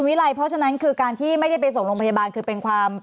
เพราะฉะนั้นที่ไม่ที่ที่ไปส่งการโรงพยาบาล